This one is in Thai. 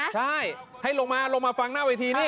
ใช่ให้ลงมาลงมาฟังหน้าเวทีนี่